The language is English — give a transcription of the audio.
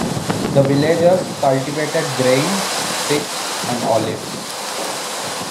The villagers cultivated grain, figs, and olives.